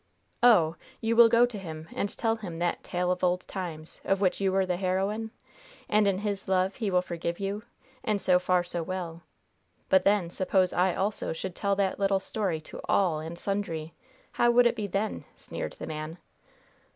"Oh! You will go to him, and tell him that 'tale of old times' of which you were the heroine? And in his love he will forgive you. And so far so well. But, then, suppose I also should tell that little story to all and sundry? How would it be then?" sneered the man.